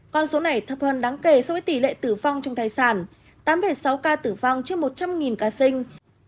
con số này thấp hơn đáng kể so với tỷ lệ tử vong trong thai sản tám sáu ca tử vong trên một trăm linh ca sinh